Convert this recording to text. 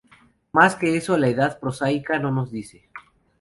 Más que eso la Edda prosaica no nos dice.